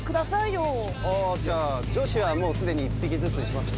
じゃあ女子はもうすでに１匹ずつにします？